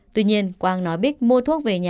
tuy nhiên quang nói biết mua thuốc về nhà